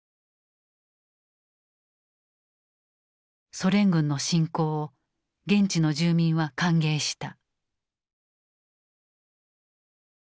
ソ連軍の侵攻を現地の住民は歓迎した。